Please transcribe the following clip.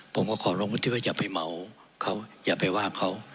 ผมก็ขอลงพื้นที่ว่าอย่าไปเหมาเขาอย่าไปว่าเขา